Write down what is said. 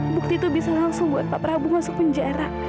bukti itu bisa langsung buat pak prabowo masuk penjara